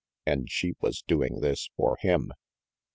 And she was doing this for him!